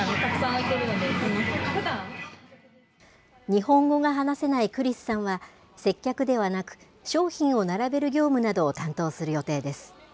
日本語が話せないクリスさんは、接客ではなく、商品を並べる業務などを担当する予定です。